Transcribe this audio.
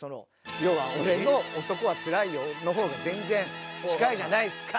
要は「俺の『男はつらいよ』の方が全然近いじゃないっすか」。